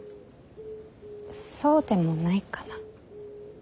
そうでもないかな。